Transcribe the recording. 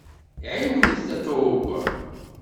Ɛiwnet Tatoeba!